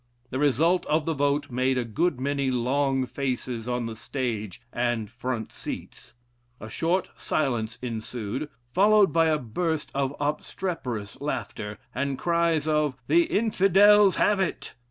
The result of the vote made a good many long faces on the stage and front seats. A short silence ensued, followed by a burst of obstreporous laughter, and cries of '_the Infidels have it!